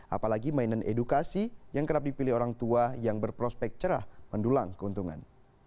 apalagi mainan edukasi yang kerap dipilih orang tua yang berprospek cerah mendulang keuntungan